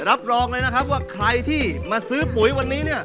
รับรองเลยนะครับว่าใครที่มาซื้อปุ๋ยวันนี้เนี่ย